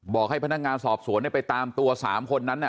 บอกให้พนักงานสอบสวนไปตามตัว๓คนนั้น